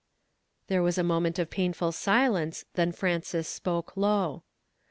There was a moment of painful silence then Fiances spoke low.